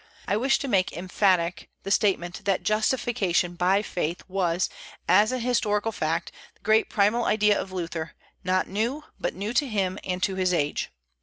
I wish to make emphatic the statement that justification by faith was, as an historical fact, the great primal idea of Luther; not new, but new to him and to his age.